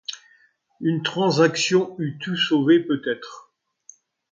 Une transaction eût tout sauvé peut-être.